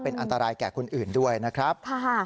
อันตรายแก่คนอื่นด้วยนะครับ